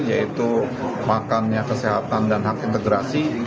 yaitu makannya kesehatan dan hak integrasi